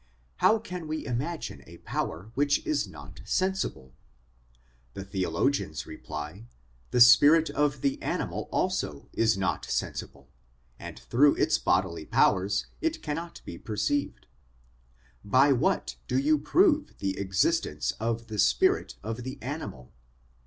How can we imagine a power which is not sensible ?' The theo logians reply :' The spirit of the animal also is not sensible, and through its bodily powers it cannot be perceived. By what do you prove the existence of the spirit of the animal?